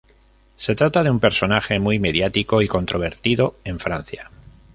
Se trata de un personaje muy mediático y controvertido en Francia.